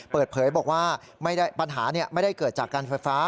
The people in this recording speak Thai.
เปิดเผยบอกว่าปัญหาไม่ได้เกิดจากการไฟฟ้า